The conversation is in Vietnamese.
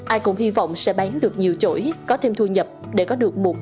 ai cũng hy vọng sẽ bán được nhiều chổi có thêm thu nhập để có được một cái tết ấm no